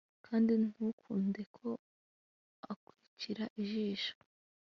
Kandi ntukunde ko akwicira ijisho